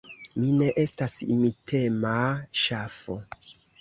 Mi ne estas imitema ŝafo.